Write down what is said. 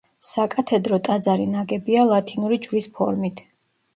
საკათედრო ტაძარი ნაგებია ლათინური ჯვრის ფორმით.